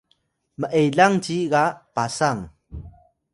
m’elang ci ga Pasang